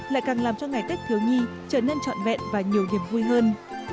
lại càng làm cho ngày tết thiếu nhi trở nên trọn vẹn và nhiều niềm vui hơn